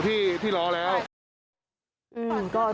แขนติดอยู่ที่ล้อแล้ว